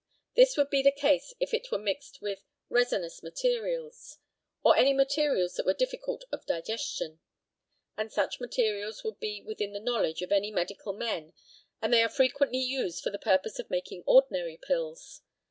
This would be the case if it were mixed with resinous materials, or any materials that were difficult of digestion, and such materials would be within the knowledge of any medical men, and they are frequently used for the purpose of making ordinary pills.